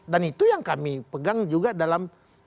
dan itu yang kami pegang juga dalam